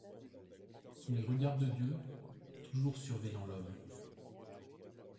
Sont les regards de Dieu, toujours surveillant l'homme